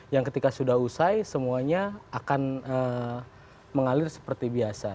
yang ketika sudah usai semuanya akan mengalir seperti biasa